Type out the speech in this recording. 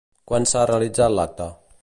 Quan s'ha realitzat l'acte?